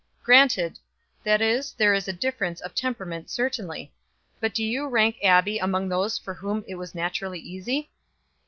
"Granted that is, there is a difference of temperament certainly. But do you rank Abbie among those for whom it was naturally easy?"